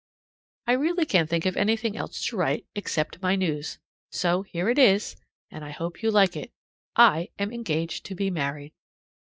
I really can't think of anything else to write except my news, so here it is, and I hope you'll like it. I am engaged to be married.